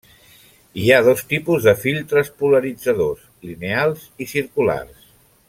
Hi ha dos tipus de filtres polaritzadors: lineals i circulars.